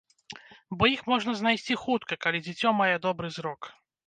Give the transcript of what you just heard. Бо іх можна знайсці хутка, калі дзіцё мае добры зрок.